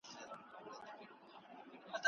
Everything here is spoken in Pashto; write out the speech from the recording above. هغه خپل خاطرات په لاتیني ژبه ولیکل.